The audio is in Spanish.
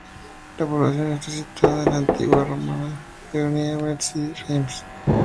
La población está situada en la antigua vía romana que unía Metz y Reims.